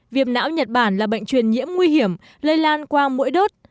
viêm não nhật bản là bệnh truyền nhiễm nguy hiểm lây lan qua mũi đốt